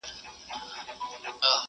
چي پر زړه مي د غمونو غوبل راسي!.